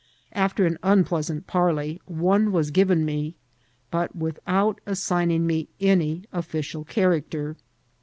After an un pleasant parley, one was given me, but without assign ing me any official character.